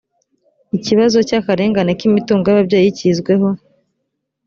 ikibazo cy akarengane kimitungo y ababyeyi cyizweho